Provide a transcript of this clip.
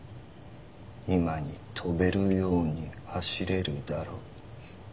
今に飛べるように走れるだろう。